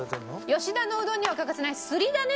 吉田のうどんには欠かせないすりだね。